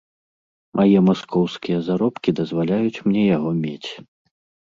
Мае маскоўскія заробкі дазваляюць мне яго мець.